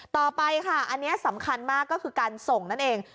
ต่อไปค่ะอันนี้สำคัญมากก็คือการส่งนั่นเอง